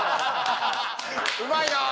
うまいなあ。